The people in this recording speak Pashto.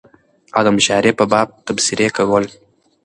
او دمشاعرې په باب تبصرې کول